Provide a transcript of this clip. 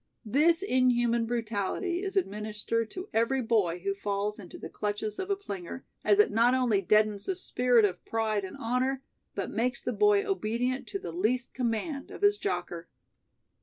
This inhuman brutality is administered to every boy who falls into the clutches of a plinger, as it not only deadens the spirit of pride and honor, but makes the boy obedient to the least command of his jocker.